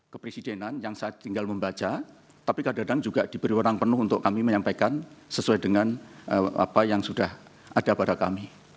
kepresidenan yang saya tinggal membaca tapi kadang kadang juga diberi orang penuh untuk kami menyampaikan sesuai dengan apa yang sudah ada pada kami